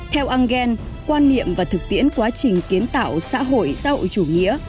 theo engel quan niệm và thực tiễn quá trình kiến tạo xã hội xã hội chủ nghĩa